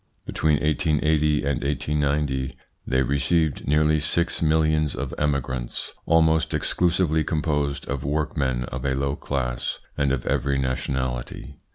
Between 1880 and 1890 they received nearly six millions of emigrants, almost exclusively composed of workmen of a low class and of every nationality.